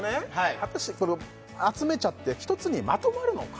果たしてこれを集めちゃって一つにまとまるのか？